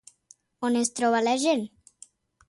On es trobava la gent?